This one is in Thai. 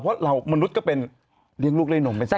เพราะเรามนุษย์ก็เป็นเลี้ยงลูกด้วยนมไปซะ